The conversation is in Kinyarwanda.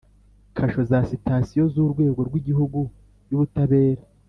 kasho za Sitasiyo z Urwego rw Igihugu y Ubutabera